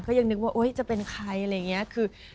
ยังนึกว่าจะเป็นใครอะไรอย่างนี้คือ